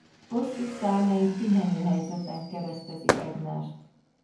Hosszú szárnyai pihenő helyzetben keresztezik egymást.